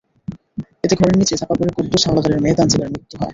এতে ঘরের নিচে চাপা পড়ে কুদ্দুস হাওলাদারের মেয়ে তানজিলার মৃত্যু হয়।